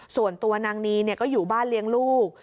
ส่วนตัวนางนีก็อยู่บ้านเลี้ยงลูก